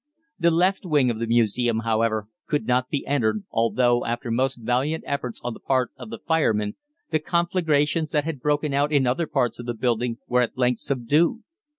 The left wing of the Museum, however, could not be entered, although, after most valiant efforts on the part of the firemen, the conflagrations that had broken out in other parts of the building were at length subdued.